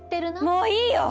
もういいよ！